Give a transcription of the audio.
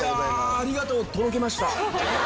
ありがとうとろけました。